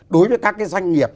đối với các cái doanh nghiệp